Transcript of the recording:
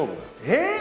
えっ？